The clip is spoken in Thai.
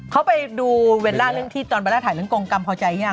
เขาไปดูเวลาภาระนึงที่ตอนเวลาถ่ายเรื่องกงกรรมเข้าใจหรือยัง